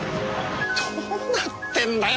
どうなってんだよ